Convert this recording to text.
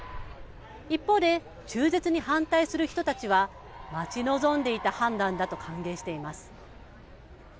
一方で、中絶に反対する人たちは、待ち望んでいた判断だと歓迎しています。